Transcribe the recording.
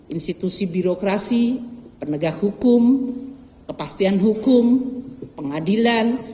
institusi birokrasi penegak hukum kepastian hukum pengadilan